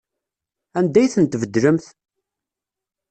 Anda ay ten-tbeddlemt?